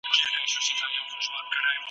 نور به جهاني هم « ګیله من» شعرونه نه لیکي